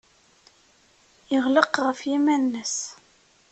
Yeɣleq ɣef yiman-nnes.